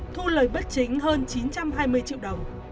thu lời bất chính hơn chín trăm hai mươi triệu đồng